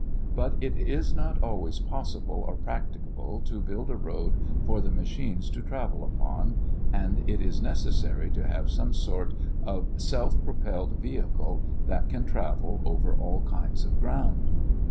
But it is not always possible or practicable to build a road for the machines to travel upon, and it is necessary to have some sort of self propelled vehicle that can travel over all kinds of ground.